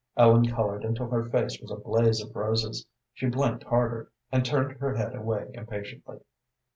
Ellen colored until her face was a blaze of roses, she blinked harder, and turned her head away impatiently.